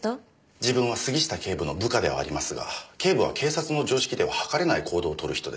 自分は杉下警部の部下ではありますが警部は警察の常識では計れない行動をとる人です。